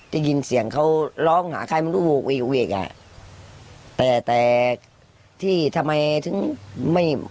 ได้ยินเสียงเขาร้องหาใครมันก็โหกเวกเวกอ่ะแต่แต่ที่ทำไมถึงไม่